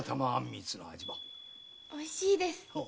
おいしいです。